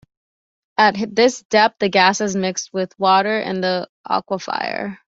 At this depth, the gases mixed with water in the aquifer.